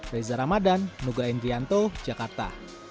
reza ramadan nugraindrianto jakarta